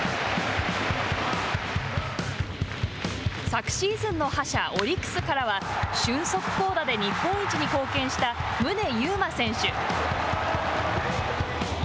昨シーズンの覇者オリックスからは俊足巧打で日本一に貢献した宗佑磨選手。